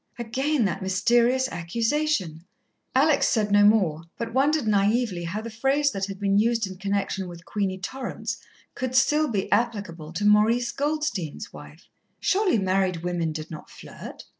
Again that mysterious accusation! Alex said no more, but wondered naïvely how the phase that had been used in connection with Queenie Torrance could still be applicable to Maurice Goldstein's wife. Surely married women did not flirt?